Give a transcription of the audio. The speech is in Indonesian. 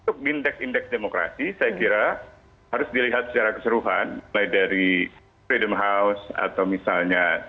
untuk indeks indeks demokrasi saya kira harus dilihat secara keseluruhan mulai dari freedom house atau misalnya